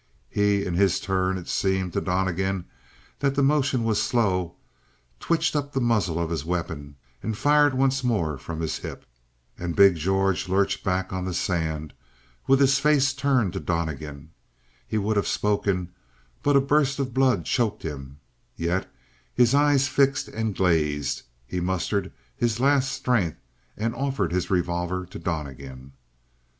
He, in his turn, it seemed to Donnegan that the motion was slow, twitched up the muzzle of his weapon and fired once more from his hip. And big George lurched back on the sand, with his face upturned to Donnegan. He would have spoken, but a burst of blood choked him; yet his eyes fixed and glazed, he mustered his last strength and offered his revolver to Donnegan.